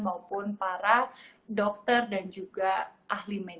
maupun para dokter dan juga penyelamat